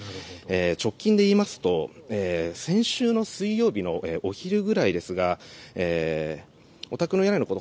直近でいいますと先週の水曜日のお昼ぐらいですがお宅の屋根のこと